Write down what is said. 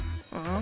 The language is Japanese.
あ。